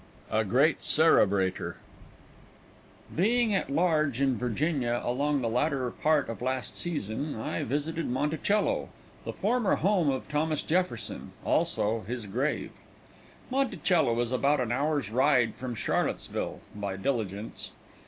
A GREAT CEREBRATOR III Being at large in Virginia, along in the latter part of last season, I visited Monticello, the former home of Thomas Jefferson, also his grave. Monticello is about an hour's ride from Charlottesville, by diligence.